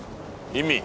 意味？